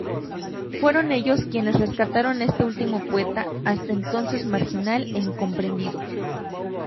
Fueron ellos quienes rescataron a este último poeta, hasta entonces marginal e incomprendido.